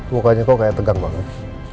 mukanya kok kayak tegang banget